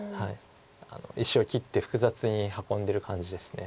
石を切って複雑に運んでる感じです。